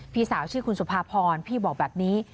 พี่สาวชื่อคุณสุภาพรพี่บอกแบบนี้